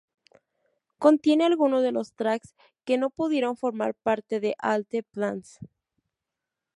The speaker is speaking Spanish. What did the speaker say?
Contiene algunos de los tracks que no pudieron formar parte de "All the Plans".